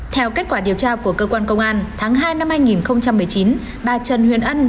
theo kết quả điều tra của cơ quan công an tháng hai năm hai nghìn một mươi chín bà trần huyền ân